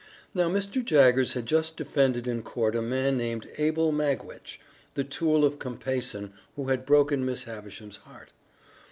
Now Mr. Jaggers had just defended in court a man named Abel Magwitch, the tool of Compeyson, who had broken Miss Havisham's heart.